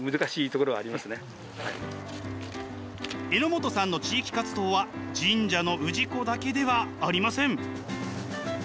榎本さんの地域活動は神社の氏子だけではありません。